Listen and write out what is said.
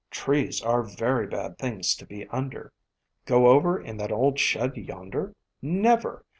Trees are very bad things to be under. Go over in that old shed yonder? Never!